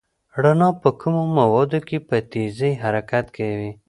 رڼا په کمو موادو کې په تېزۍ حرکت کوي.